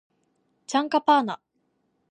チャンカパーナ